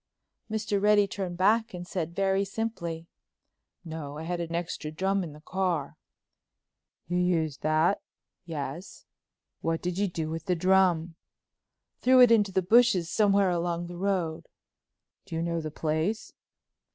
Mr. Reddy turned back and said very simply: "No, I had an extra drum in the car." "You used that?" "Yes." "What did you do with the drum?" "Threw it into the bushes somewhere along the road." "Do you know the place?"